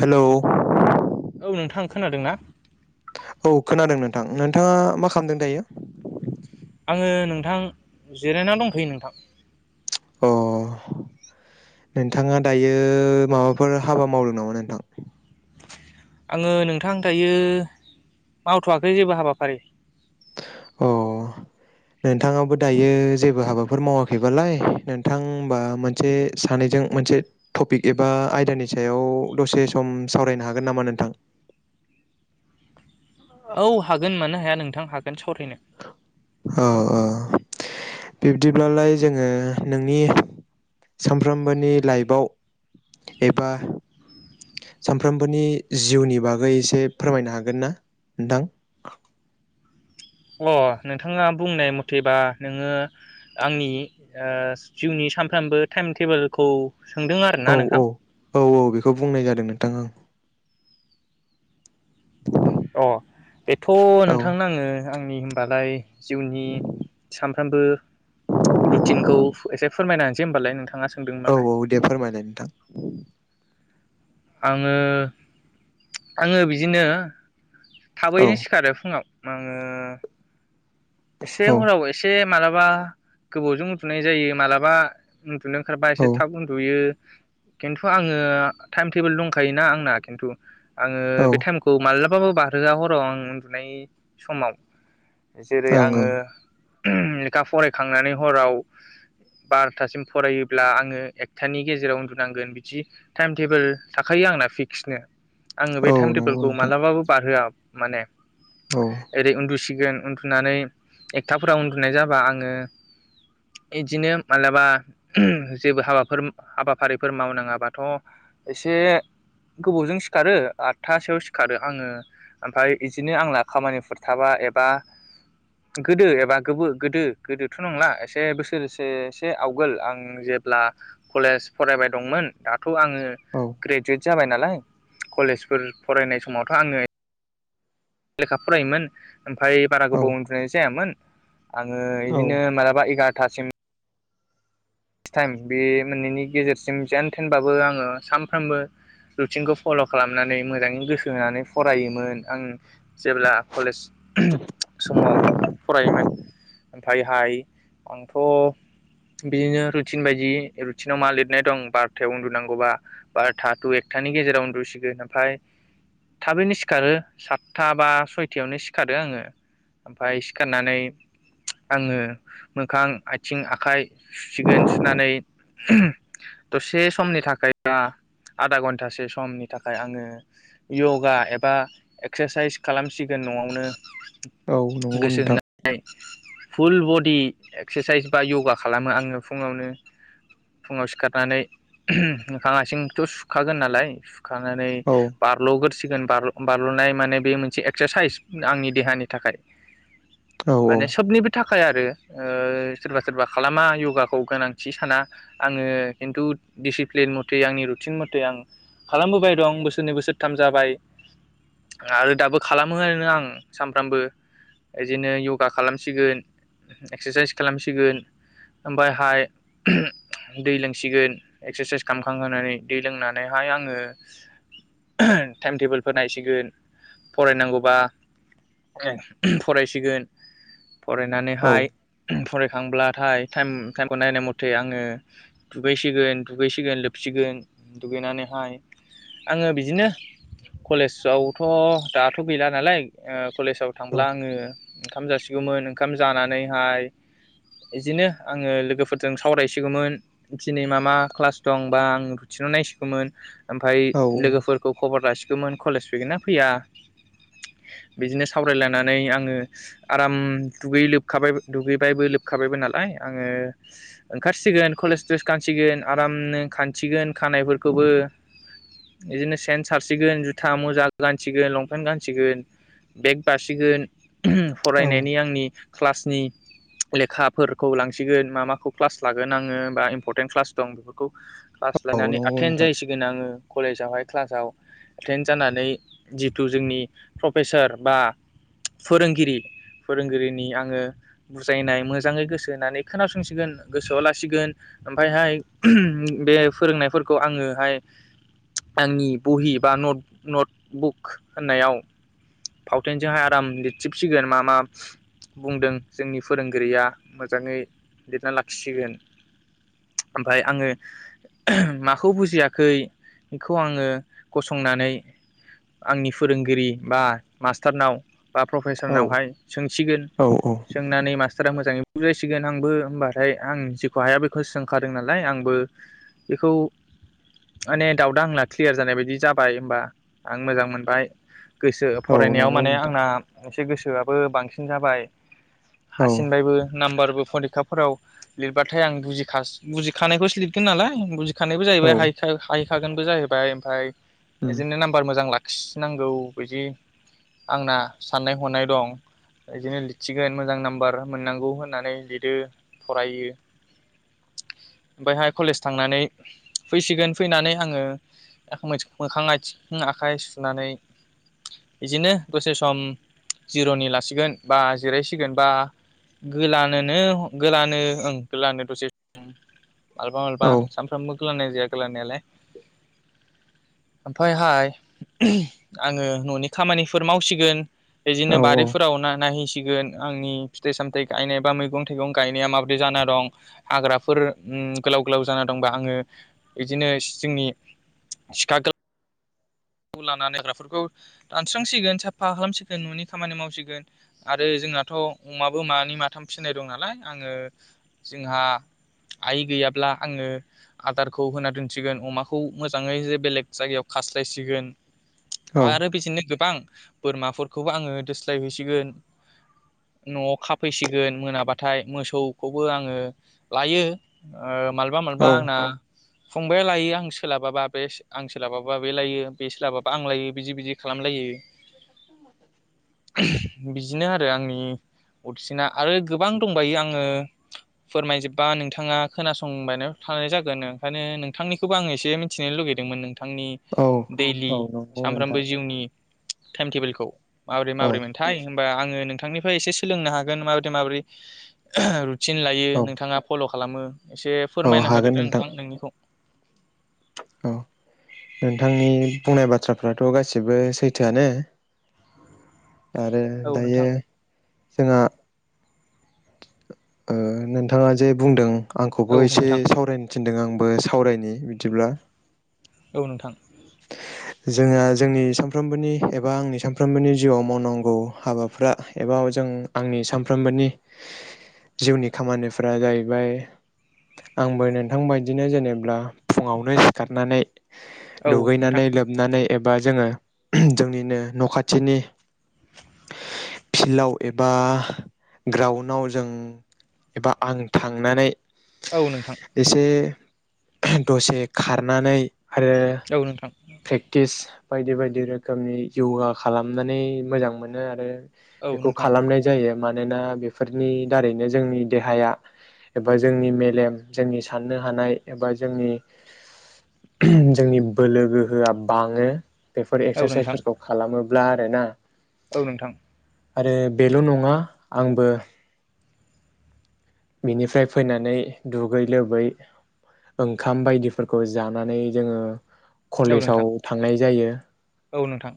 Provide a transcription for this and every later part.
Hello औ नोंथां खोनादों ना? औ खोनादों नोंथां नोंथाङा मा खालामदों दायो? आङो नोंथां जिरायनानै दंखैयो नोंथां अ नोंथाङा दायो माबाफोर हाबा मावदों नामा नोंथां? आङो नोंथां दायो मावथ'वाखै जेबो हाबाफारि अ नोंथाङाबो दायो जेबो हाबाफोर मावाखैबालाय नोंथां हबा मोनसे सानैजों मोनसे टपिक एबा आयदानि सायाव दसे सम सावरायनो हागोन नामा नोंथां औ हागोन मानो हाया नोंथां हागोन- सावरायनो ओ औ बिब्दिब्लालाय जोङो नोंनि सानफ्रोमबोनि लाइफआव एबा सानफ्रोमबोनि जिउनि बागै एसे फोरमायनो हागोन ना नोंथां अ नोंथाङा बुंनाय मथेबा नोङो आंनि जिउनि ओ सानफ्रोमबो टाइम टेबोलखौ सोंदों औ आरोना नोंथां औ औ औ बेखौ बुंनाय जादों नोंथां आं अ बेथ' ओं नोंथांनो आङो आंनि होमबालाय जिउनि सानफ्रामबो रुटिनखौ एसे फोरमायनासै होमबालाय नोंथाङा स औ औ दे फोरमायनाय नोंथां आङो आङो बिदिनो औ थाबैनो सिखारो फुङाव। आङो एसे औ हराव एसे मालाबा गोबावजों उनदुनाय जायो मालाबा उनदुनो ओंखारबा एसे औ थाब उन्दुयो। खिन्थु आङो टाइम टेबोल दंखायोना आंना खिन्थु। आङो औ बे ओं टाइमखौ मालाब [unintelligible] [unintelligible] हराव आं उन्दुनाय समाव जेरै आङो लेखा फरायखांनानै हराव बार'थासिम फरायोब्ला आङो एकथानि गेजेराव उन्दुनांगोन बिदि टाइम टेबोल थाखायो आंना फिक्सनो। आङो ओं बे औ टाइम नंगौ टेबोलखौ नोंथां मालाबाबो बारहोआ। माने औ ओरै उन्दुसिगोन उन्दुनानै एकथाफोराव उन्दुनाय जाबा आङो बिदिनो मालाबा ओम जेबो हाबाफोर हाबाफारिफोर मावनाङाबाथ' एसे गोबावजों सिखारो आदथासोआव सिखारो आङो ओमफ्राय बिदिनो आंना खामानिफोर थाबा एबा गोदो एबा गो गोदो गोदोथ' नंला एसे बोसोरसेसो आवगोल आं जेब्ला कलेज फरायबाय दंमोन दाथ' आङो औ ग्रेजुवेट जाबाय नालाय कलेजफोर फरायनाय समावथ' आङो लेखा फरायोमोन ओमफ्राय बारा औ गोबाव उन्दुनाय जायामोन। आङो बिदिनो मालाबा एगार थासिम नेकस टाइम बे मोननैनि गेजेरसिम जेन थेनबाबो आङो सानफ्रामबो रुटिनखौ फल' खालामनानै मोजाङै गोसो होनानै फरायोमोन आं जेब्ला कलेज समाव फरायोमोन ओमफ्रायहाय आंथ' बिदिनो रुटिन बायदि रुटिनाव मा लिरनाय दं बार'थायाव उन्दुनांगौबा बार'था टु एकथानि गेजेराव उन्दुसिगोन ओमफ्राय थाबैनो सिखारो सातथा बा सयथायावनो सिखारो आङो ओमफ्राय सिखारनानै आङो मोखां आथिं आखाइ सुसिगोन नानै ओम दसे समनि थाखाय बा आधा घन्टासे समनि थाखाय आङो यगा एबा एक्सारसाइस खालामसिगोन न'आवनो। औ नंगौ गोसो नोंथां होनानै फुल बडि एक्सारसाइस बा य'गा खालामो आङो फुङावनो। फुङाव सिखारनानै मोखां आसिंथ' सुखागोन नालाय खांनानै औ बारल'गोरसि सिगोन बारल'बारल'नाय माने बे मोनसे एक्सारसाइस आंनि देहानि थाखाय। औ माने सबनिबो थाखाय खाय आरो ओ सोरबा सोरबा खालामा योगाखौ गोनां थि साना आङो खिन्थु दिसिप्लिन मथे आंनि रुटिन मथे आं खालामबोबाय दं बोसोरनै बोसोरथाम जाबाय आरो दाबो खालामो आरा आं सानफ्रामबो बिदिनो य'गा खालामसिगोन एक्सारसाइस खालामसिगोन ओमफायहाय दै लोंसिगोन एक्सारसाइस खालामखांंनानै दै लोंनानैहाय आङो टाइम टेबोलफोर नायसिगोन फरायनांगौबा फरायसिगोन। औ फरायनानैहाय फरायखांब्लाथाय थाइम टाइमखौ नायनाय मथे थे आङो दुगैसिगोन दुगैसिगोन लोबसिगोन दुगैनानैहाय आङो बिदिनो कलेजावथ' दाथ' गैला। नालाय ओ कलेजाव थांब्ला आङो ओंखाम जासिग गौमोन ओंखाम जानानैहाय बिदिनो आङो लोगोफोर जों सावरायसिगौमोन दिनै मा मा क्लास दंबा आं रुटिनाव नायसिगौमोन। ओमफ्राय औ लोगोफोरखौ खबर लासि मोन कलेज फैगोन ना फैया बिदिनो सावरायलायनानै आङो आराम दुगै लोबखाबाय दुगैबायबो लोबखाबायबो नालाय आङो ओंखारसिगोन कलेज द्रेस गानसिगोन आरामनो खानसिगोन खानायफोरखौबो बिदिनो सेन्ट सारसिगोन जुथा मुजा गानसिगोन लंपेन्ट गानसिगोन बेग बासिगोन। औ फरायनायनि आंनि क्लासनि लेखाफोरखौ लांसिगोन मा मा खौ क्लास लागोन आङो बा इमपरतेन्ट क्लास दं बेफोरखौ [unintelligible] औ नंगौ एतेन्त नोंथां जाहैसिगोन आङो कलेजावहाय क्लासआव एतेन्त जानानै जितु जोंनि प्रफेसार बा फोरोंगिरि फोरोंगिरिनि आङो बुजायनाय मोजाङै गोसो होनानै खोनासंसिगोन। गोन गोसोआव लासिगोन ओमफायहाय बे फोरोंनायफोरखौ आङोहाय आंनि बहि बा नट नटबुक होननायाव फावथेनजोंहाय आराम लिरथिबसिगोन मा मा बुंदों जोंनि फोरोंगिरिया मोजाङै लिरना लाखिसिगोन ओमफाय आङो माखौ बुजियाखै बेखौ आङो गसंनानै आंनि फोरोंगिरि बा मास्टारनाव बा औ प्रफेसारनावहाय सोंसिगोन औ औ सोंनानै मास्टारा मोजाङै बुजायसिगोन आंबो होमबाथाय आं जेखौ हाया बेखौ सोंखादों नालाय आंबो बेखौ माने दाउटा आंना क्लियार जानाय बायदि जाबाय होमबा आं मोजां मोनबाय। गोसो औ फरायनायाव नंगौ माने नोंथां आंना एसे गोसोआबो बांसिन जाबाय। औ हासिनबायबो नाम्बार [unintelligible] फोराव लिरबाथाय आं बुजिखास बुजिखानायखौसो लिरगोन नालाय बुजि खानायबो औ जाहैबाय हाइ हाइ थागोनबो जाहैबाय ओमफाय उम बेजोंनो नाम्बार मोजां लाखि सि नांगौ बिदि आंना साननाय हनाय दं बिदिनो लिरथिगोन मोजां नाम्बार मोननांगौ होननानै लिरो फरायो ओमफायहाय कलेज थांनानै फैसिगोन फैनानै आङो मोखां आथिं आखाइ सुनानै बिदिनो दसे सम जिर'नि लासिगोन बा जिरायसिगोन बा गोलानोनो गोलानो ओं गोलानो दसे मालाबा मालाबा औ सानफ्रामबो खालामनाय जाया खालायनायालाय ओमफायहाय आङो न'नि खामानिफोर मावसिगोन औ बिदिनो बारिफोराव नायहैसिगोन आंनि फिथाइ सामथाय गायनाय मैगं थाइगं थाइगं गायनाया माबोरदि जाना दं हाग्राफोर गोलाव गोलाव जाना दंबा आङो बिदिनो जोंनि सिखा गोलाव खौ लाना हाग्राफोरखौ दानस्रांसिगोन साफा खालामसिगोन न'नि खामानि मावसिगोन आरो जोंनाथ' अमाबो मानै माथाम फिसिनाय दं नालाय आङो जोंहा आइ गैयाब्ला आङो आदारखौ होना दोनसिगोन अमाखौ मोजाङै ज बेलेग जायगायाव खास्लायसिगोन। आरो बिदिनो गोबां। बोरमाफोरखौबो आङो दोस्लायहैसिगोन न'आव खाफैसिगोन मोनाबाथाय मोसौखौबो आङो लायो मालाबा मालाबा औ आंना फंबाया लायो आं सोलाबाबा बे आं सोलाबाबा बे लायो बे सोलाबाबा आंलायो बिदि बिदि खालामलायो बिदिनो आरो आंनि अदसिना आरो गोबां दंबायो आङो फोरमायजोबबा नोंथाङा खोनासंबाय थानाय जागोन ओंखायनो नोंथांनिखौबो आङो एसे मिथिनो लुगैदों मोन नोंथांनि औ दैलि औ नंगौ सामफ्रोमबो नोंथां जिउनि टाइम टेबोलखौ माबोरै औ माबोरै मोनथाय होनोमबा आङो नोंथांनि फ्राय एसे सोलोंनो हागोन माबोरै माबोरै सिन लायो औ नोंथाङा फल' खालाम खालामो एसे औ फोरमायना हागोन होदोदो नोंथां नोंनिखौ औ नों नोंथांनि बुंनाय बाथ्राफ्रा थ' गासिबो सैथोआनो। आरो औ दायो नोंथां जोंहा ओ नोंथाङा जे बुंदों औ आंखौबो एसे नोंथां सावरायनो। थिनदों आंबो सावरायनि बिदिब्ला। औ नोंथां। जोंहा जोंनि सानफ्रोमबोनि एबा आंनि सानफ्रोमबोनि जिउआव मावनांगौ हाबाफ्रा एबा जों आंनि सानफ्रोमबोनि जिउनि खामानिफोरा जाहैबाय आंबो नोंथां बाददिनो जेनेब्ला फुङावनो सिखारनानै औ नोंथां दुगैनानै लोबनानै एबा जोङो जोंनिनो न' खाथिनि फिल्डआव एबा ग्राउडआव जों एबा आं थांनानै औ नोंथां एसे दसे खारनानै आरो औ नोंथां। प्रेक्टिस बायदि बायदि रोखोमनि य'गा खालामनानै मोजां मोनो आरो औ बेखौ नोंथां खालामनाय जायो मान मानोना बेफोरनि दारैनो जोंनि देहाया एबा जोंनि मेलेम जोंनि साननो हानाय एबा जोंनि जोंनि बोलो गोहोआ बाङो। बेफोर औ नोंथां एक्सारसाइसफोरखौ खालामो ब्ला आरो ना। औ नोंथां। आरो बेल' नङा आंबो बिनिफ्राय फैनानै दुगै लोबै ओंखाम बायदिफोरखौ जानानै जोङो औ नोंथां कलेजाव थांनाय जायो। औ नोंथां।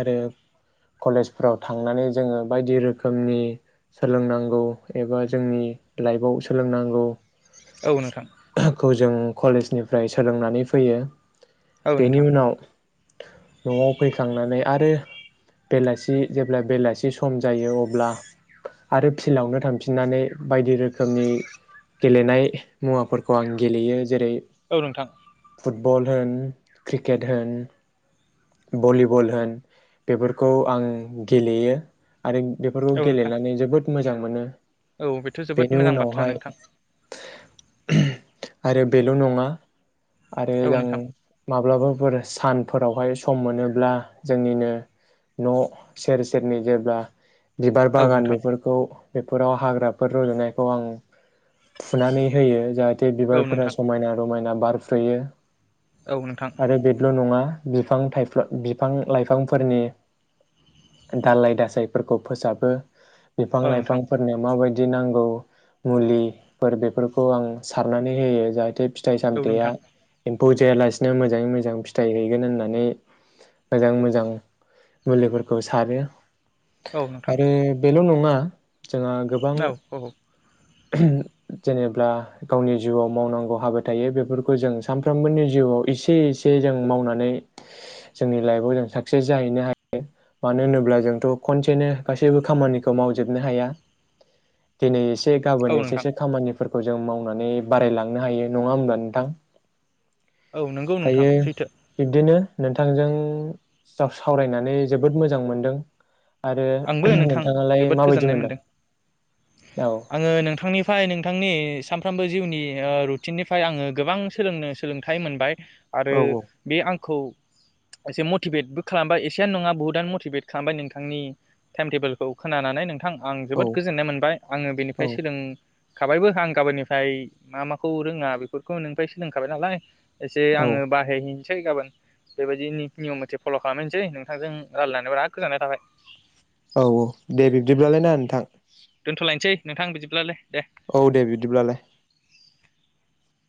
आरो कलेजफ्राव थांनानै जोङो बायदि रोखोमनि सोलोंनांगौ एबा जोंनि लाइफआव सोलोंनांगौ औ नोंथां। [unintelligible] जों कलेजनिफ्राय सोलोंनानै फैयो। औ बेनि नोंथां उनाव न'आव फैखांनानै आरो बेलासि जेब्ला बेलासि सम जायो अब्ला आरो फिल्डआवनो थांफिननानै बायदि रोखोमनि गेलेनाय मुवाफोरखौ आं गेलेयो जेरै औ नोंथां। फुटबल होन, क्रिकेट होन, भलिबल होन बेफोरखौ आं गेलेयो। आरो बेफोरखौ औ नोंथां गेलेनानै जोबोद मोजां मोनो। औ बेथ' बेनि जोबोद मोजां बाथ्रा उनावहाय नोंथां। आरो बेल' नङा आरो औ नोंथां [unintelligible] माब्लाबाफोर सानफोरावहाय सम मोनोब्ला जोंनिनो न' सेर सेरनो जेब्ला बिबार औ बागान नोंथां बेफोरखौ बेफोराव हाग्रा [unintelligible] र'जनायखौ आं फुनानै होयो जाहाथे औ बिबारफोरा नोंथां समायना- रमायना बारफैयो। औ नोंथां औ नोंथां आरो बेल' नङा बिफां थाइ बिफां लाइफांफोरनि दालाइ दासाफोरखौ फोसाबो। बिफां औ नोंथां -लाइफांफोरनिया माबायदि [unintelligible] नांगौ मुलिफोर बेफोरखौ आं सारनानै होयो जाहथे फिथाइ औ -सामथाइया नोंथां बुजायालासिनो मोजाङै मोजां फिथाइ हैगोन होननानै मोजाङै मोजां मुलिफोरखौ सारो। औ आरो बेल' नङा [unintelligible] जोंहा गोबां औ जेनेब्ला गावनि जिउआव मावनांगौ हाबा थायो बेफोरखौ जों सानफ्रोमबोनि जिउआव एसे एसे जों मावनानै जोंनि लाइफआव जों साक्सेस जाहैनो हायो मानो होनोब्ला जोंथ' खनसेनो गासैबो खामानिखौ मावजोबनो हाया। दिनै औ गाबोन नोंथां एसेसो खामानि फोरखौ जों मावनानै बारायलांनो हायो नङा होमब्ला नोंथां औ नंगौ नोंथां दायो सैथो बिब्दिनो नोंथांजों सावरायनानै जोबोद मोजां मोनदों आरो आंबो नोंथां नोंथाङालाय जोबोद माबायदि गोजोननाय मोनदों औ आङो नोंथांनिफ्राय नोंथांनि सामफ्रामबो जिउनि रुटिननिफ्राय आङो गोबां सोलोंनो सोलोंथाइ मोनबाय। आरो औ बे आंखौ एसे मटिभेटबो खालामबाय एसेयानो नङा बहुतआनो मटिभेट खालामबाय नोंथांनि टाइम टेबोलखौ खोनानानै नोंथां आं औ जोबोद गोजोननाय मोनबाय आङो औ बेनिफ्राय सोलों खाबायबो आं गाबोननिफ्राय मा माखौ रोङा बेफोरखौ नोंनिफ्राय सोलोंखाबाय नालाय एसे औ आङो बाहाय सै गाबोन बेबायदि नियम मथे फल' खालामहनोसै नोंथांजों रायलायनानै बिराद गोजोननाय थाबाय। औ औ दे बिब्दिब्लालाय ना नोंथां। दोनथ'लायसै नोंथां बिदिब्लालाय दे। औ दे बिदिब्लालाय